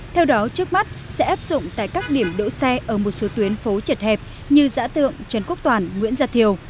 theo đó trước mắt sẽ áp dụng tại các điểm đỗ xe ở một số tuyến phố chật hẹp như giã tượng trần quốc toàn nguyễn gia thiều